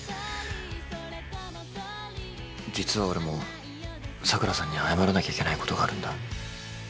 実は俺も桜さんに謝らなきゃいけないことがあるんだ。